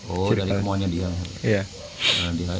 oh dari semuanya dia